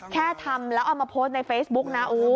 แค่ทำแล้วเอามาโพสต์ในเฟซบุ๊กนะ